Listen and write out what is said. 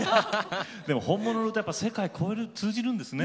でも本物の歌やっぱ世界こえる通じるんですね。